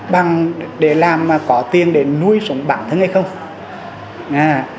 bằng để làm mà có tiền để nuôi sống bản thân hay không